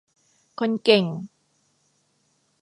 คนเก่ง